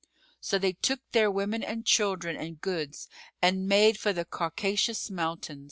So they took their women and children and goods and made for the Caucasus mountain.